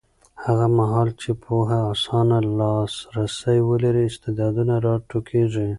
هغه مهال چې پوهنه اسانه لاسرسی ولري، استعدادونه راټوکېږي.